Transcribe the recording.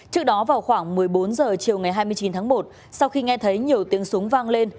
trước đó vào khoảng một mươi bốn h chiều ngày hai mươi chín tháng một sau khi nghe thấy nhiều tiếng súng vang lên